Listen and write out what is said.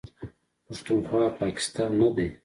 پښتونخوا، پاکستان نه دی.